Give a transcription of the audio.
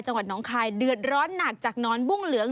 น้องคายเดือดร้อนหนักจากนอนบุ้งเหลือง